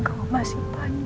kamu masih panjang